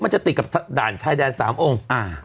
มันจะติดกับของสาด่านชายแดนสามองค์